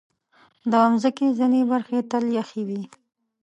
د مځکې ځینې برخې تل یخې وي.